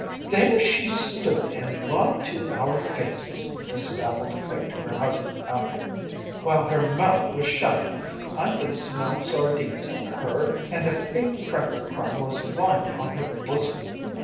"There she stood and lied to our faces," Mrs. Appel declared to her husband afterward, "while her mouth was shining. I could smell sardines on her and a big cracker crumb was lying on her bosom.